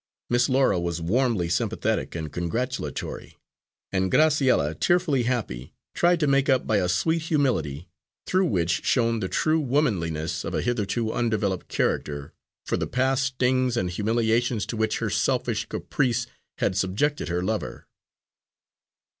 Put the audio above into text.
Miss Laura was warmly sympathetic and congratulatory; and Graciella, tearfully happy, tried to make up by a sweet humility, through which shone the true womanliness of a hitherto undeveloped character, for the past stings and humiliations to which her selfish caprice had subjected her lover.